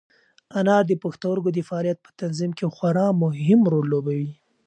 انار د پښتورګو د فعالیت په تنظیم کې خورا مهم رول لوبوي.